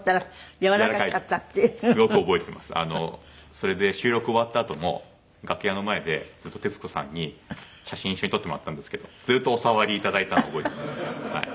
それで収録終わったあとも楽屋の前で徹子さんに写真一緒に撮ってもらったんですけどずっとお触りいただいたの覚えてます。